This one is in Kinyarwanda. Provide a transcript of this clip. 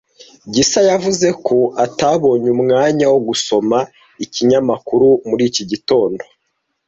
Gisa yavuze ko atabonye umwanya wo gusoma ikinyamakuru muri iki gitondo.